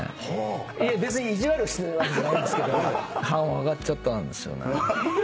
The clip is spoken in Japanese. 別に意地悪してるわけじゃないですけど半音上がっちゃったんですよね。